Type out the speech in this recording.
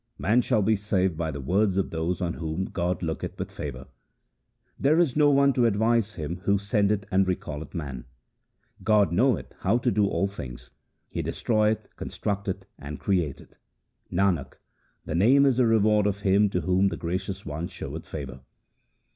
Man shall be saved by the words of those on whom God looketh with favour. There is no one to advise Him who sendeth and recall eth m an. God knoweth how to do all things ; He destroyeth, constructeth, and createth. Nanak, the Name is the reward of him to whom the Gracious One showeth favour.